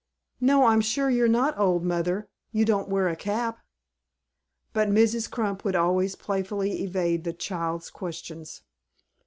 "No, I'm sure you're not old, mother. You don't wear a cap." But Mrs. Crump would always playfully evade the child's questions.